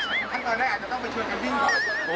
ขั้นตอนแรกอาจจะต้องไปช่วยกันวิ่งก่อน